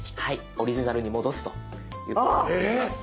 オリジナルに戻すということができます。